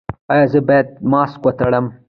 ایا زه باید ماسک وتړم؟